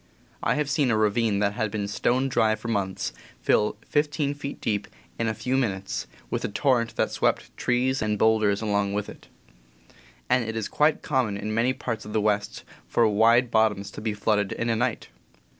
I have seen a ravine that had been stone dry for months fill fifteen feet deep, in a few min utes, with a torrent that swept trees and bowlders along with it; and it is quite common in many parts of the West for wide bottoms to be flooded in a night.